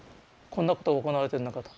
こんなことが行われてるのかと。